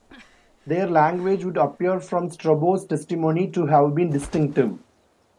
Their language would appear, from Strabo's testimony, to have been distinctive.